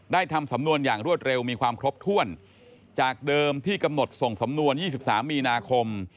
ทำสำนวนอย่างรวดเร็วมีความครบถ้วนจากเดิมที่กำหนดส่งสำนวน๒๓มีนาคม